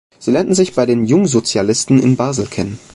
Sie lernten sich bei den Jungsozialisten in Basel kennen.